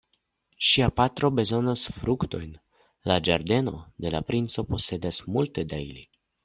Ŝia patro bezonas fruktojn; la ĝardeno de la princo posedas multe da ili.